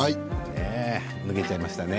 ねえ脱げちゃいましたね。